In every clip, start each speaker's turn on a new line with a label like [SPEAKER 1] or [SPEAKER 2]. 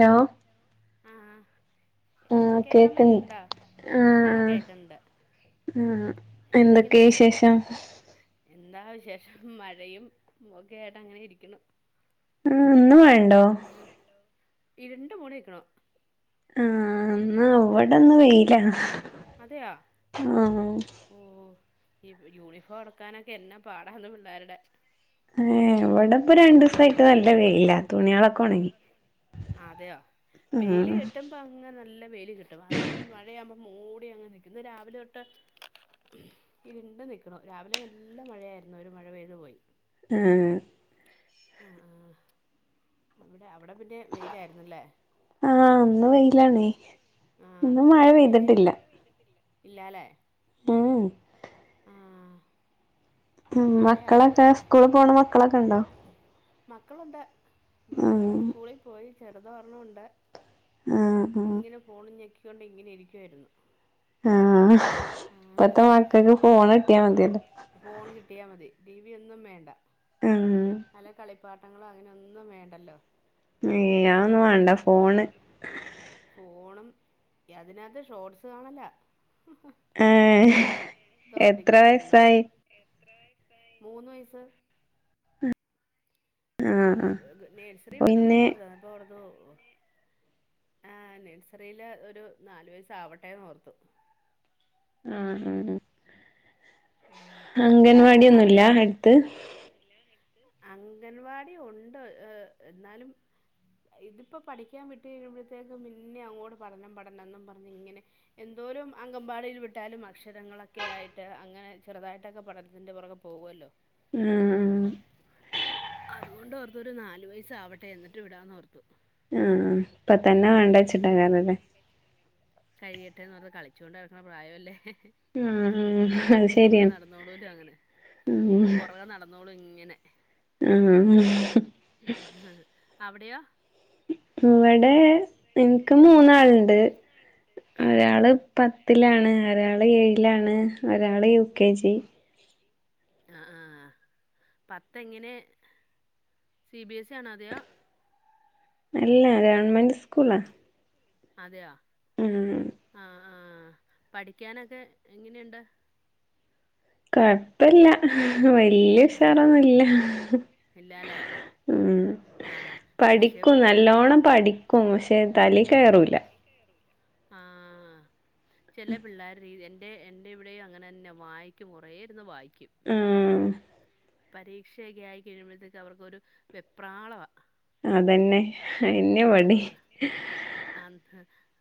[SPEAKER 1] Hello
[SPEAKER 2] hello ആഹ്
[SPEAKER 1] ആഹ്
[SPEAKER 2] കേക്കാൻ
[SPEAKER 1] കേക്ക്ണ്ട്
[SPEAKER 2] പറ്റണ്ടോ ആഹ് കേക്കണ്ട്
[SPEAKER 1] ആഹ് എന്തൊക്കെ
[SPEAKER 2] എന്തൊക്കെയണ്ട് വിശേഷം എന്താ വിശേഷം മഴയും ഒക്കേയായിട്ട് അങ്ങനെ ഇരിക്കണു
[SPEAKER 1] ആഹ് ഇന്ന് മഴണ്ടോ
[SPEAKER 2] ഇരുണ്ടു മൂടി നിക്കണ്
[SPEAKER 1] ആഹ് ന്നാവിടെ ന്ന് വെയില ആഹ്
[SPEAKER 2] ഓഹ് ഈ യൂണിഫോം ഒണക്കാനൊക്കെ എന്ന പാടണ് പിള്ളേരുടെ
[SPEAKER 1] ഏഹ് ഇവിടെ ഇപ്പ രണ്ടു സായിട്ട് നല്ല വെയില്ല തുണിയാളൊക്കെ ഉണങ്ങി
[SPEAKER 2] ഒണങ്ങി അതെയോ വെയില് കിട്ടുമ്പ ങ്ങനെ നല്ല വെയില് കിട്ടും അത് മഴയാവുമ്പോ മൂടി അങ്ങനെ നിക്കും ഇന്ന് രാവിലെ തൊട്ട് ഇരുണ്ടു നിക്കുണ് രാവിലെ നല്ല മഴയായിരുന്നു ഒരു മഴ പെയ്തു പോയി
[SPEAKER 1] ആഹ്
[SPEAKER 2] ആഹ് ആഹ് അവിടെ അവിടെ പിന്നെ വെയിലായിരുന്നല്ലേ
[SPEAKER 1] ആഹ് ഇന്ന് വെയിലാണേ ഇന്ന് മഴ പെയ്തിട്ടില്ല
[SPEAKER 2] ഇന്ന് പെയ്ത്ട്ടില്ല ഇല്ലല്ലേ
[SPEAKER 1] ഊം ഊം
[SPEAKER 2] മഴയാവുമ്പത്തെ
[SPEAKER 1] മക്കളൊക്കെ സ്കൂള് പോണ മക്കളൊക്കെണ്ടോ
[SPEAKER 2] മക്കളുണ്ട്
[SPEAKER 1] ഉം
[SPEAKER 2] മക്കള് സ്കൂളിൽ പോയി ചെറുതരെണ്ണുണ്ട്
[SPEAKER 1] ആഹ്
[SPEAKER 2] അതിങ്ങനെ പോണും ഞെക്കിക്കൊണ്ട് ങ്ങനെ ഇരിക്കുവായിരുന്നു
[SPEAKER 1] ആഹ്
[SPEAKER 2] ആഹ്
[SPEAKER 1] ഇപ്പത്തെ മക്കക്ക് ഫോൺ കിട്ടിയാ മതില്ലേ
[SPEAKER 2] ഫോൺ കിട്ടിയാ മതി ടി വി ഒന്നും വേണ്ട
[SPEAKER 1] ആഹ്
[SPEAKER 2] നല്ല കളിപ്പാട്ടങ്ങളും അങ്ങനെ ഒന്നും വേണ്ടല്ലോ
[SPEAKER 1] ഏഹ് അതോന്നും വേണ്ട ഫോണ്-
[SPEAKER 2] ഫോണും അതിനകത്ത് ഷോർട്സ് കാണല്ല
[SPEAKER 1] ഏ എത്ര
[SPEAKER 2] തോണ്ടിക്കോണ്ടി ഇന്നോളും
[SPEAKER 1] വയസായി
[SPEAKER 2] എത്ര വയസായി മൂന്ന് വയസ്സ്
[SPEAKER 1] ആഹ്
[SPEAKER 2] സ്കൂൾ
[SPEAKER 1] ആഹ്
[SPEAKER 2] നേഴ്സറി
[SPEAKER 1] പിന്നെ
[SPEAKER 2] വിടണംന്ന് പറഞ്ഞ അപ്പൊ ഓർത്തു പിന്നെ ആഹ് നഴ്സറിൽ ഒരു നാലു വയസ്സ് ആവട്ടെന്ന് ഓർത്തു
[SPEAKER 1] ആഹ് ഉം
[SPEAKER 2] ആ
[SPEAKER 1] അംഗൻവാടിന്നുല്ല
[SPEAKER 2] അവിടെയോ
[SPEAKER 1] അടുത്ത്
[SPEAKER 2] അംഗൻവാടി ഉണ്ട് എന്നാലും ഇതിപ്പോൾ പഠിക്കാൻ വിട്ട് കഴിയുമ്പോഴത്തേക്കും പിന്നേെ അങ്ങോട്ട് പഠനം പഠനം എന്നും പറഞ്ഞ് ഇങ്ങനെ- എന്തോലും അങ്കമ്പാടിയിൽ വിട്ടാലും അക്ഷരങ്ങളൊക്കെ ആയിട്ട് അങ്ങനെ- ചെറുതായിട്ടൊക്കെ പഠനത്തിന്റെ പൊറകെ പോകുമല്ലോ
[SPEAKER 1] ആഹ്
[SPEAKER 2] അതുകൊണ്ട് ഓർത്തു ഒരു നാല് വയസ് ആവട്ടെ എന്നിട്ട് വിടാന്ന് ഓർത്തു
[SPEAKER 1] ആഹ് ഇപ്പൊ തന്നെ വേണ്ട വെച്ചിട്ട ഇല്ലേ
[SPEAKER 2] കഴിയട്ടെ എന്ന് പറഞ്ഞത് കളിച്ചോണ്ട്നടക്കണ പ്രായല്ലേ
[SPEAKER 1] ആഹ് ആഹ് അത് ശരിയാണ്
[SPEAKER 2] നട [unintelligible] ന്നോളൂ ങ്ങനെ
[SPEAKER 1] ഉം
[SPEAKER 2] പൊറകെ നടന്നോളുംയിങ്ങനെ
[SPEAKER 1] [unintelligible]
[SPEAKER 2] അവിടെയൊ
[SPEAKER 1] ഇവടെ എനിക്ക് മൂന്നാളുണ്ട്
[SPEAKER 2] ആഹ്
[SPEAKER 1] ഒരാള്- പത്തിലാണ് ഒരാള് ഏഴിലാണ് ഒരാള് യു കെ ജി
[SPEAKER 2] ആഹ് ആഹ് പത്ത് എങ്ങനെ- സി ബി എസ് സി ആണോ അതെയൊ-
[SPEAKER 1] അല്ലാ ഗവൺമെന്റ് സ്കൂളാ.
[SPEAKER 2] അതെയൊ.
[SPEAKER 1] ഉം
[SPEAKER 2] ആഹ് പഠിക്കാനൊക്കെ എങ്ങനെയുണ്ട്..
[SPEAKER 1] കൊഴപ്പല്ല വല്ല്യ ഉഷാറൊന്നുല്ല.
[SPEAKER 2] ഇല്ലാല്ലേ
[SPEAKER 1] മ്മ്
[SPEAKER 2] ആഹ് പക്ഷെ
[SPEAKER 1] പഠിക്കും നല്ലോണം പഠിക്കും പക്ഷെ തലേ കേറൂല
[SPEAKER 2] ആഹ് ചെല പിള്ളേര് [unintelligible] എൻ്റെ എന്റെ ഇവിടെയും. അങ്ങനെന്നെ വായിക്കും കൊറേ ഇരുന്ന് വായിക്കും
[SPEAKER 1] ഉം
[SPEAKER 2] പരീക്ഷയൊക്കെയായി കഴിയുമ്പോളത്തേക്ക്‌ അവർക്കൊരു വെപ്രാളവാ
[SPEAKER 1] അതെന്നെ അതുതന്നെയാ ഇവിടെ
[SPEAKER 2] ആ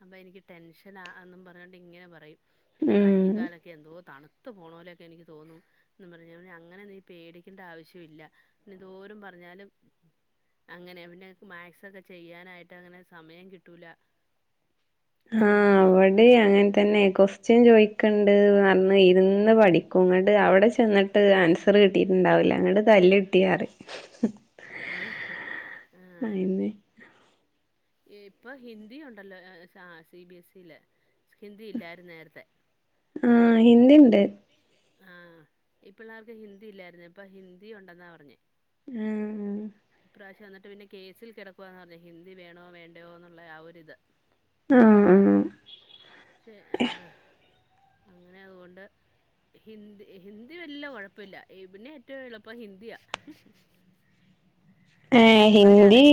[SPEAKER 2] അപ്പൊ എനിക്ക് ടെൻഷനാ എന്നും പറഞ്ഞോണ്ട് ഇങ്ങനെ പറയും എന്റെ കയ്യയും
[SPEAKER 1] ഉം
[SPEAKER 2] കാലൊക്കെ എന്തോ തണുത്ത് പോണോലൊക്കെ എനിക്ക് തോന്നും എന്നും പറഞ്ഞ അങ്ങനെ നീ പേടിക്കേണ്ട ആവശ്യം ഇല്ല എന്നെന്തോരും പറഞ്ഞാലും അങ്ങനെ പിന്നെ എനിക്ക് മാക്സ് ഒക്കെ ചെയ്യാനായിട്ട് അങ്ങനെ സമയം കിട്ടൂല
[SPEAKER 1] ആ
[SPEAKER 2] എന്നും പറഞ്ഞേ
[SPEAKER 1] അവടേം അങ്ങനെ തന്നെ ക്വസ്റ്റ്യൻ ചോയ്ക്കണ്ട് പറഞ് ഇരുന്ന് പഠി- ക്കും ഇങ്ങണ്ട് അവടെ ചെന്നിട്ട് ആൻസർ കിട്ടിട്ടുണ്ടാവൂല എന്നിട്ട് തല്ല് കിട്ടിയാറിയും..
[SPEAKER 2] ആഹ ആഹ് ഇപ്പൊ ഹിന്ദി ഉണ്ടല്ലോ സി ബി എസ് സില് ഹിന്ദി ഇല്ലായിര്ന്ന് നേരത്തെ
[SPEAKER 1] ആഹ് ഹിന്ദിണ്ട്
[SPEAKER 2] ആഹ ഈ പിള്ളേർക്ക് ഹിന്ദി ഇല്ലായിരുന്നു ഇപ്പൊ ഹിന്ദി ഉണ്ടെന്നാ പറഞ്ഞെ
[SPEAKER 1] ആഹ്
[SPEAKER 2] ഇപ്രാശ്യം എന്നിട്ട് പിന്നെ കേസിൽ കെടക്കുവന്നാ പറഞ്ഞെ ഹിന്ദി വേണോ. വേണ്ടോന്നുള്ള ആ ഒര് ഇത്
[SPEAKER 1] ആഹ് മ് -
[SPEAKER 2] ചെ ആഹ് അങ്ങനെ അകൊണ്ട്. ഹിന്ദി ഹിന്ദി വല്ല കൊഴപ്പല്ല ഇവന് ഏറ്റവും എളുപ്പം ഹിന്ദിയാ.
[SPEAKER 1] ഹേ ഹിന്ദി
[SPEAKER 2] ഒമ്പതിലാണേ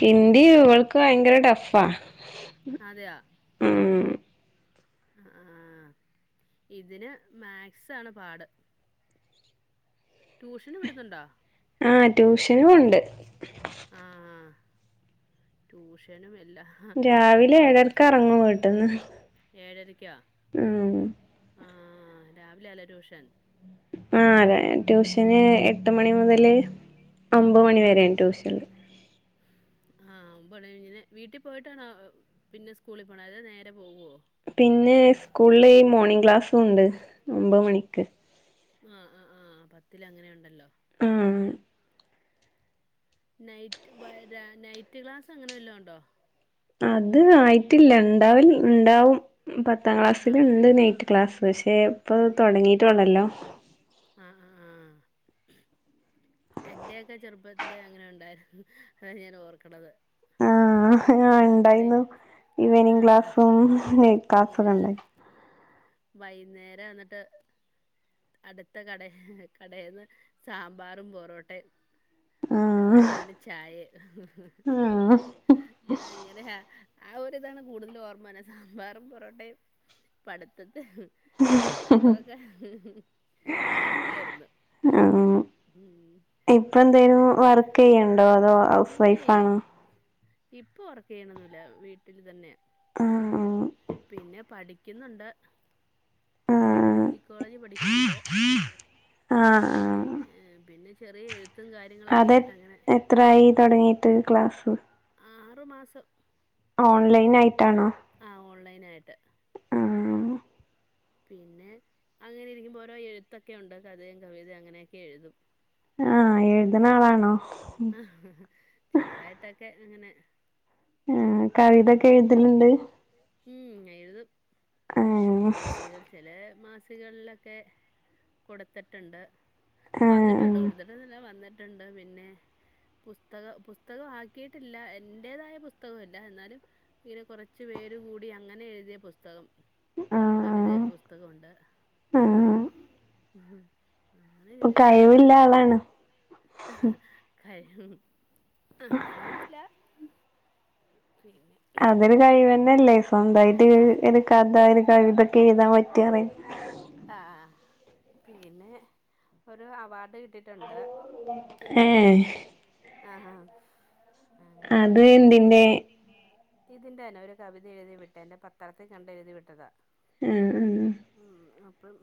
[SPEAKER 1] കിൻ.
[SPEAKER 2] ഹിന്ദി ഇവൾക്ക് ഭയങ്കര ടഫാ അതെയൊ.
[SPEAKER 1] ഉം
[SPEAKER 2] ആഹ്ആഹ് ഇതിന് മാത്സാണ് പാട്. ട്യൂഷന് വിടുന്നുണ്ടാ.
[SPEAKER 1] ആഹ് ട്യൂഷനും ഒണ്ട്.
[SPEAKER 2] ആഹ് ആഹ് - ട്യൂഷനും എല്ലാ-
[SPEAKER 1] രാവിലെ ഏഴരക്കെറങ്ങുംവീട്ട്ന്ന്.
[SPEAKER 2] ഏഴരക്കോ.
[SPEAKER 1] മ്മ്ഹ്.
[SPEAKER 2] ആഹ് രാവിലാല്ലേ ട്യൂഷൻ.
[SPEAKER 1] ആഹ് അതെ ട്യൂഷന് എട്ട് മണി മൊതല് ഒമ്പത് മണി വരെ ട്യൂഷള്ള്
[SPEAKER 2] ആഹ് ഒമ്പണിഴിഞ്ഞില് വീട്ടി പോയിട്ടണോ.. പിന്നെ സ്കൂളിൽ പോണെ അതോ നേരെ പോവോ.
[SPEAKER 1] പിന്നെ സ്കൂളിമോർണിംഗ് ക്ലാസ്സുണ്ട് ഒമ്പത് മണിക്ക്.
[SPEAKER 2] ആഹ് ആഹ് ആഹ് പത്തിലങ്ങനെ ഒണ്ടല്ലോ.
[SPEAKER 1] ആഹ്.
[SPEAKER 2] നൈറ്റ് വര നൈറ്റ് ക്ലാസ് അങ്ങനെ വല്ലോ ഒണ്ടോ.
[SPEAKER 1] അത് ആയി ട്ടില്ല ഇണ്ടാവ്വുംഉണ്ടാവും പത്താം
[SPEAKER 2] ആഹ്
[SPEAKER 1] ക്ലാസ്സൽണ്ട് നൈറ്റ് ക്ലാസ്സ് പക്ഷെ- ഇപ്പൊ ഇത് തൊടങ്ങിട്ടൊള്ളല്ലോ
[SPEAKER 2] ആഹ് ആഹ് - എന്റെയൊക്കെ ചെറുപ്പത്തില് അങ്ങനെ ഉണ്ടായിരുന്നു അതാ ഞാനോർക്കണത്
[SPEAKER 1] ആഹ് ആ ഉണ്ടായിരുന്നു ഈവനിങ്
[SPEAKER 2] ആഹ്
[SPEAKER 1] ക്ലാസ്സുംനയ്റ്റ്
[SPEAKER 2] ആഹ്
[SPEAKER 1] ക്ലാസ്സൊക്കെണ്ടായി
[SPEAKER 2] വൈകുന്നേരം എന്നിട്ട് അടുത്ത കടേ കടേന്ന് സാമ്പാറും പൊറോട്ടയും
[SPEAKER 1] ആഹ്
[SPEAKER 2] അതായിരുന്നു പിന്നെ ചായെം
[SPEAKER 1] ആഹ്
[SPEAKER 2] അങ്ങനെയ ആ ഒരിതാണ് കൂടുതൽ ഓർമ്മ വരണ സാമ്പാറും പൊറോട്ടയും പഠിത്തത്തെ- പഠിത്തൊക്കെ അതായിരുന്നു
[SPEAKER 1] ആഹ്
[SPEAKER 2] ഉം
[SPEAKER 1] ഇപ്പ
[SPEAKER 2] അങ്ങനെ
[SPEAKER 1] എന്തേലും വർക്ക് ചെയ്യണ്ടോ അതോ ഹൗസ്
[SPEAKER 2] ഇല്ലേ
[SPEAKER 1] വൈഫാണോ
[SPEAKER 2] ഇപ്പൊ വർക്ക് ചെയ്യണൊന്നുല്ല വീട്ടില് തന്നെ
[SPEAKER 1] ആഹ്
[SPEAKER 2] പിന്നെ പഠിക്കുന്നൊണ്ട്
[SPEAKER 1] ആഹ്
[SPEAKER 2] സൈക്കോളജി പഠിക്കുന്നൊണ്ട്
[SPEAKER 1] ആഹ്
[SPEAKER 2] പിന്നെ
[SPEAKER 1] ആഹ്
[SPEAKER 2] പിന്നെ ചെറിയ എഴുത്-
[SPEAKER 1] അതെ എത്രായി തൊടങ്ങിയിട്ട് ക്ലാസ്സ്
[SPEAKER 2] ആറ് മാസം
[SPEAKER 1] ഓൺലൈനായിട്ടാണോ
[SPEAKER 2] ആഹ് ഓൺലൈനായിട്ട് പിന്നെ അങ്ങനെ ഇരിക്കുമ്പം ഓരോ എഴുത്തൊക്കെ ഒണ്ട് കഥയും കവിതയും അങ്ങനെയൊക്കെ എഴുതും
[SPEAKER 1] എഴുതണാളാണോ?
[SPEAKER 2] ചെറുതായിട്ടൊക്കെ അങ്ങനെ
[SPEAKER 1] ആഹ്
[SPEAKER 2] ഉം
[SPEAKER 1] കവിതൊക്കെ
[SPEAKER 2] കവിതക്കെ
[SPEAKER 1] എഴുതലുണ്ട്
[SPEAKER 2] എഴുതല്ണ്ട് എഴുതും
[SPEAKER 1] ആഹ്
[SPEAKER 2] മാസിക ചെലെ മാസികളിലൊക്കെ കൊടുത്തിട്ടുണ്ട്
[SPEAKER 1] ആഹ്
[SPEAKER 2] വന്നിട്ടുണ്ട് കൊടുത്തിട്ടൊന്നുല്ല വന്നിട്ടുണ്ട് പിന്നെ പുസ്തകം പുസ്തകമാക്കിയിട്ടില്ല എന്റേതായ പുസ്തകമല്ല എന്നാലും ഇങ്ങനെ കുറച്ച് പേര് കൂടി അങ്ങനെ എഴുതിയ പുസ്തകം
[SPEAKER 1] ആഹ്
[SPEAKER 2] കവിതെ പുസ്തകൊണ്ട്
[SPEAKER 1] ആഹ് ആഹ്
[SPEAKER 2] ഉം അങ്ങനെ
[SPEAKER 1] അപ്പൊ കയിവുള്ള ആളാണ്
[SPEAKER 2] കാഴിവ് അങ്ങനെയൊന്നുല്ലാ പിന്നെ
[SPEAKER 1] അതൊരു കഴിവെന്നെയല്ലേ സ്വന്തായിറ്റ് ഒരു കഥ ഒരു കവിതൊക്കെ എഴുതാ പറ്റാ പറയ്
[SPEAKER 2] ആഹ് ആഹ് പിന്നെ ഒരു അവാർഡ് കിട്ടി
[SPEAKER 1] ഏഹ്
[SPEAKER 2] ആഹ് ആഹ്
[SPEAKER 1] അത് എന്തിന്റെ
[SPEAKER 2] ഇതിന്റെന്നെ ഒരു കവിത എഴുതി വിട്ടേൻ്റെ പത്രത്തി കണ്ട് എഴുതി വിട്ടതാ
[SPEAKER 1] ആഹ് ആഹ് ആഹ്
[SPEAKER 2] ഉം അപ്പം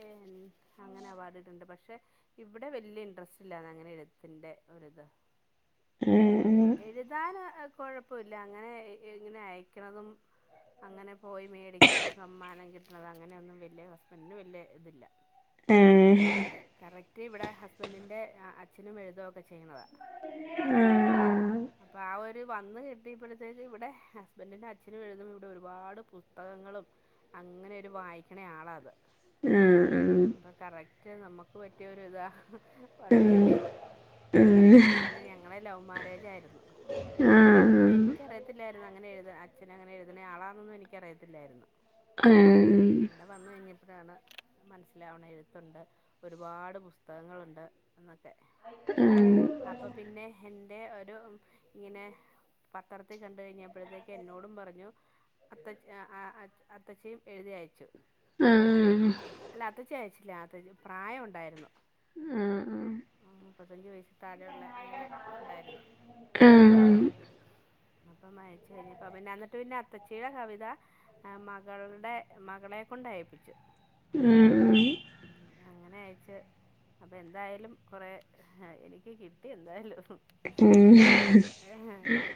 [SPEAKER 2] ഏഹ് അങ്ങനെ അവാർഡ്കിട്ടണ്ട് പക്ഷെ ഇവിടെ വെല്യ ഇൻട്രസ്റ്റ് ഇല്ലാന്ന് അങ്ങനെ എഴുത്തിന്റെ ഒരിതാ
[SPEAKER 1] ഏഹ്
[SPEAKER 2] എഴുതാന് ഏഹ് കൊഴപ്പൊല്ല അങ്ങനെ എ ഇങ്ങനെ അയക്കണതും അങ്ങനെ പോയി മേടിക്ക സമ്മാനം കിട്ടണത് അങ്ങനെയൊന്നും വെല്യ ഹസ്ബൻ്റിന് വെല്യ ഇതില്ല
[SPEAKER 1] ഏഹ്
[SPEAKER 2] കറക്റ്റ് ഇവിടെ ഹസ്ബൻഡിൻ്റെ ആഹ് അച്ഛനും എഴുതൊക്കെ ചെയ്യുന്നതാ
[SPEAKER 1] ആഹ് ആഹ്
[SPEAKER 2] അപ്പൊ ആ ഒരു വന്ന് കിട്ടിയപ്പഴത്തേക്ക്, ഇവിടെ ഹസ്ബൻ്റിന്റെ അച്ഛനും എഴുതും, ഇവിടെ ഒരുപാട് പുസ്തകങ്ങളും അങ്ങനെയൊരു വായിക്കണ ആളാ അത് അപ്പൊ കറക്റ്റ് നമ്മുക്ക് പറ്റിയൊരു ഇതാ വന്ന്
[SPEAKER 1] ഏഹ്
[SPEAKER 2] കിട്ടിയതും അങ്ങനെ ഞങ്ങളെ ലവ് മാര്യേജ് ആയിരുന്നു.
[SPEAKER 1] ആഹ്
[SPEAKER 2] അപ്പൊ എനിക്കറിയത്തില്ലായിരുന്നു അങ്ങനെ എഴുത അച്ഛൻ അങ്ങനെ എഴുതണ ആളാന്നൊന്നും, എനിക്ക് അറിയത്തില്ലായിരുന്നു.
[SPEAKER 1] ആഹ്
[SPEAKER 2] ഇവിടെ വന്ന് കഴിഞ്ഞപ്പഴാണ് മനസ്സിലാവണെ എഴുത്തുണ്ട് ഒരുപാട് പുസ്തകങ്ങളുണ്ട് എന്നൊക്കെ
[SPEAKER 1] ആഹ് ആഹ്
[SPEAKER 2] അപ്പൊ പിന്നെ എൻ്റെ ഒരു ഇങ്ങനെ പത്രത്തി കണ്ട് കഴിഞ്ഞപ്പഴത്തേക്ക് എന്നോടും പറഞ്ഞു അത്തച്ച് ആഹ് ആഹ് അത് അത്തച്ചിയും എഴുതി അയച്ചു. അല്ല അത്തച്ചി അയച്ചില്ല അത്തച്ച് പ്രായം ഒണ്ടായിരുന്നു. ഉം മുപ്പത്തഞ്ച് വയസ്സി താഴെയൊള്ള അങ്ങനെ ഒണ്ടായിരുന്നു.
[SPEAKER 1] ഉം
[SPEAKER 2] അപ്പൊ അയച്ചു കഴിഞ്ഞപ്പ പിന്നെ അന്നിട്ട് പിന്നെ അത്തച്ചീടെ കവിത ആഹ് മകളുടെ മകളെ കൊണ്ട് അയപ്പിച്ചു.
[SPEAKER 1] ഉം ഉം
[SPEAKER 2] ഉം അങ്ങനെ അയച്ച് അപ്പം എന്തായാലും കൊറേ എനിക്ക് കിട്ടി എന്തായാലും
[SPEAKER 1] ഉം
[SPEAKER 2] ഏഹ് ഹ്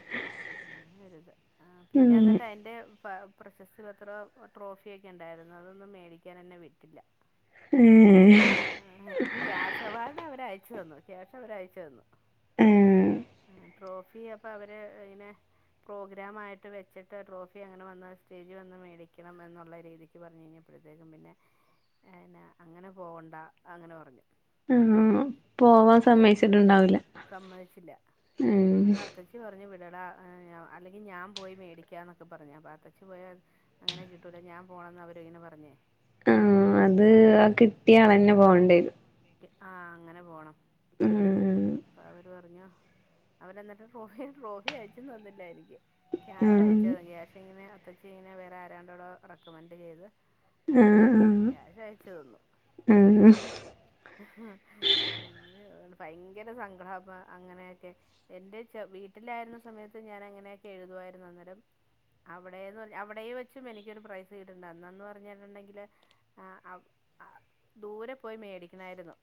[SPEAKER 2] അങ്ങനൊരിത് ആഹ് പിന്നെ അന്നിട്ട്
[SPEAKER 1] ആഹ്
[SPEAKER 2] അയ്ന്റെ പാ പ്രശസ്തി പത്രം ട്രോഫിയക്കെണ്ടായ്രുന്നു അതൊന്നും മേടിക്ക ക്കാനെന്നെ വിട്ടില്ല
[SPEAKER 1] ഉം ഏഹ്
[SPEAKER 2] ആഹ് ഹേ ക്യാഷവാർഡവരയച്ചന്നു കാഷവര് അയച്ച് തന്നു
[SPEAKER 1] ആഹ്
[SPEAKER 2] ആഹ് ട്രോഫീ അപ്പൊ അവര് ഇങ്ങനെ പ്രോഗ്രാമായിട്ട് വെച്ച്ട്ട് ട്രോഫിയങ്ങനെ വന്ന് സ്റ്റേജ് വന്ന് മേടിക്കണമെന്നുള്ള രീതി ക്ക് പറഞ്ഞ് കഴിഞ്ഞപ്പോഴത്തേക്കും പിന്നെ എന്നാ അങ്ങനെ പോകണ്ട അങ്ങനെ പറഞ്ഞു
[SPEAKER 1] ആഹ് പോവാൻ
[SPEAKER 2] അപ്പ പോവാൻ
[SPEAKER 1] സമ്മയിച്ചിട്ടുണ്ടാവില്ല
[SPEAKER 2] സമ്മതിച്ചിട്ട്ണ്ടാവില്ല സമ്മതിച്ചില്ല
[SPEAKER 1] ഉം
[SPEAKER 2] അപ്പൊ അത്തച്ചി പറഞ്ഞു വിടടാ ഏഹ് ഞാ അല്ലെങ്കി ഞാൻ പോയി മേടിക്കാന്നൊക്കെ പറഞ്ഞു അപ്പ അത്തച്ചി പോയാ അങ്ങനെ കിട്ടൂല ഞാൻ പോണംന്ന് അവര്ങ്ങനെ പറഞ്ഞ്
[SPEAKER 1] ആഹ് അത് ആ കിട്ടിയാളന്നെ പോകേണ്ടിവെരും
[SPEAKER 2] ആഹ് അങ്ങനെ പോണം ആഹ്
[SPEAKER 1] ഉം
[SPEAKER 2] അപ്പൊ അവര് പറഞ്ഞു അവരന്നിട്ട് ട്രോഫിം ട്രോഫീ അയച്ചും തന്നില്ലാനിക്ക് ക്യാഷ് അയച്ച്
[SPEAKER 1] ആഹ്
[SPEAKER 2] ക്യാഷ്ങ്ങനെ ത്തച്ചിങ്ങനെ വേറെ ആരാണ്ടോടൊ റെക്കമെന്റ് ചെയ്ത് അങ്ങനെ
[SPEAKER 1] ആഹ്
[SPEAKER 2] ക്യാഷയച്ച് തന്നു
[SPEAKER 1] ആഹ്
[SPEAKER 2] അങ്ങനെ ഭയങ്കര സങ്കടാപ്പാ അങ്ങനെയെക്കെ എന്റെ ചാ വീട്ടിലാര്ന്ന സമയത്ത് ഞാൻ അങ്ങനെയക്കെ എഴുതുവാരുന്നു അന്നേരം അവിടേന്ന് പറഞ്ഞാ അവിടേം വെച്ചും എനിക്കൊരു പ്രൈസ് കിട്ടിട്ടുണ്ട് അന്നന്ന് പറഞ്ഞിട്ടുണ്ടെങ്കില് ആഹ് ആഹ് ആഹ് ദൂരെ പോയി മേടിക്കണായ്രുന്നു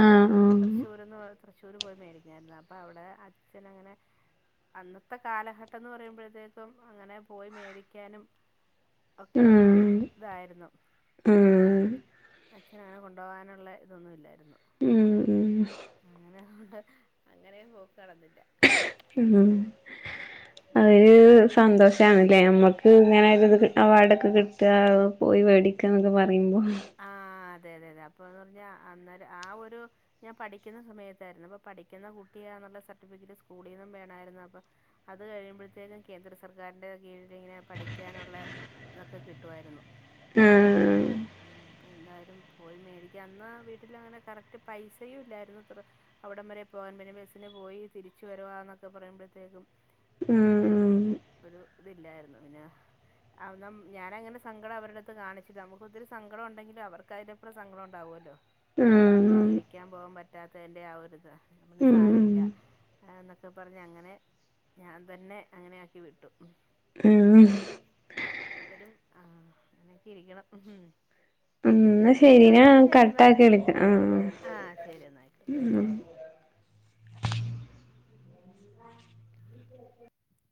[SPEAKER 1] ആഹ് ആഹ് ആഹ്
[SPEAKER 2] തൃശ്ശൂർന്ന് തൃശ്ശൂര് പോയി മേടിക്കണാരുന്നു അപ്പൊ അവിടെ അച്ഛനങ്ങനെ അന്നത്തെ കാലഘട്ടംന്ന് പറയുമ്പോഴത്തേക്കും അങ്ങനെ പോയി മേടിക്കാനും ഒക്കെ ഒരു
[SPEAKER 1] ഉം
[SPEAKER 2] ഇതായ്രുന്നു
[SPEAKER 1] ഉം
[SPEAKER 2] അച്ഛനങ്ങനെ കൊണ്ടുപോകാനൊള്ളെ ഇതൊന്നു ഇല്ലാരുന്നു
[SPEAKER 1] ഉം ഉം
[SPEAKER 2] അങ്ങനേഅതുകൊണ്ട് അങ്ങനേം പോക്ക് നടന്നില്ല
[SPEAKER 1] ഉം അതൊരൂ സന്തോഷാണല്ലേ നമ്മക്ക്ങ്ങനൊര്ത് അവാർഡൊക്കെ കിട്ടുകാ പോയി വേടിക്കാന്നൊക്കെ പറയുമ്പോ
[SPEAKER 2] ആഹ് അതെ അതെ അതെ അപ്പൊന്ന് പറഞ്ഞാ അന്നേരം ആഹ് ഒരു ഞാൻ പഠിക്ക്‌ന്ന സമയത്താര്ന്നു അപ്പൊ പഠിക്കുന്ന കുട്ടിയാന്നൊള്ള സർട്ടിഫിക്കറ്റ് സ്കൂളീന്നും വേണാര്ന്നു അപ്പൊ അത് കഴിയുമ്പോഴാത്തേകനും കേന്ദ്ര സർക്കാരിന്റെ കീഴിലിങ്ങനെ പഠിക്കാനുള്ളേ അതൊക്കെ കിട്ടുവാരുന്നു
[SPEAKER 1] ആഹ്
[SPEAKER 2] ഉം ഉം അപ്പൊന്തായാലും പോയി മേടിക്കാ അന്ന് വീട്ടിലങ്ങനെ കറക്റ്റ് പൈസയും ഇല്ലാരുന്നു ഇത്ര അവിടം വരെ പോകാൻ പിന്നെ ബസിന് പോയി തിരിച്ചു വരുവാന്നൊക്കെ പറയുമ്പോഴ്ത്തേക്കും
[SPEAKER 1] ഉം ഉം
[SPEAKER 2] ഒരു ഇതില്ലായിര്ന്നു പിന്നെ അതൊന്നും ഞാനങ്ങനെ സങ്കടം അവരെടെടുത്ത് കാണിച്ച്ല്ലാ നമുക്ക് ഒത്തിരി സങ്കടം ഒണ്ടെങ്കിലും അവർ ക്ക്യ്ന്റെപ്രം സങ്കടം ഒണ്ടാവല്ലോ
[SPEAKER 1] ഉം
[SPEAKER 2] മേടിക്കാൻ പോവാൻ പറ്റാത്തേന്റെ ആഹ് ഒരിത് ഞാൻ പറഞ്ഞ്
[SPEAKER 1] ഉം
[SPEAKER 2] സാരവില്ല ആന്നൊക്കെ പറഞ്ഞങ്ങനെ ഞാൻ തന്നെ അങ്ങനെയാക്കി വിട്ടു ഉം
[SPEAKER 1] ഉം
[SPEAKER 2] അവരും ആഹ് അങ്ങനെയൊക്കെ ഇരിക്കണം ഹും
[SPEAKER 1] ഉം ന്നാ ശരി
[SPEAKER 2] ആഹ്
[SPEAKER 1] ഞാൻ
[SPEAKER 2] ന്നാ ശെരിയെന്നാ
[SPEAKER 1] കട്ടാക്കി വിളിക്കാം
[SPEAKER 2] ആഹ് ശെരി എന്നാ ആയിക്കോട്ടെ